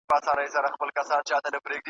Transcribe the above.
ستا به په شپو کي زنګېدلی یمه ,